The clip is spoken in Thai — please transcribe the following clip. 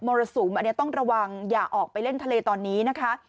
รสุมอันนี้ต้องระวังอย่าออกไปเล่นทะเลตอนนี้นะคะ